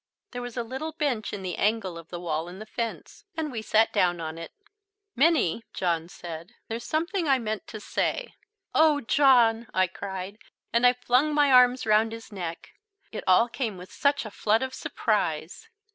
There was a little bench in the angle of the wall and the fence, and we sat down on it. "Minnie," John said, "there's something I meant to say " "Oh, John," I cried, and I flung my arms round his neck. It all came with such a flood of surprise.